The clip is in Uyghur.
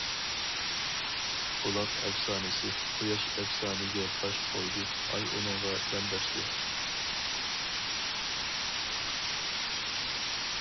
بۇلاق ئەپسانىسى قۇياش ئەپسانىگە باش قويدى ئاي ئۇنىڭغا يانداشتى.